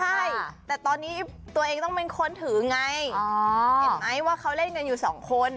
ใช่แต่ตอนนี้ตัวเองต้องเป็นคนถือไงเห็นไหมว่าเขาเล่นกันอยู่สองคน